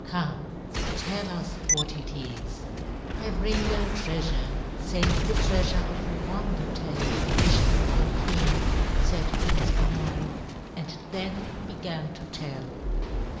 Come, tell us what it is." "I bring no treasure save the treasure of a wonder tale which you will hear," said Prince Kenai, and then began to tell.